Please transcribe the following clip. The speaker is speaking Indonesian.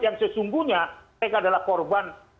yang sesungguhnya mereka adalah korban